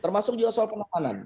termasuk juga soal penahanan